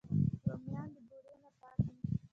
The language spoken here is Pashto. رومیان د بورې نه پاک وي